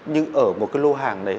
nhưng ở một cái lô hàng đấy